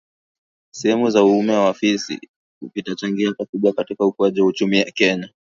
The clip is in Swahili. sehemu za uume wa fisi vitachangia pakubwa katika ukuaji wa uchumi wa Kenya